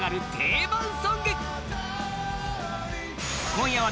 今夜は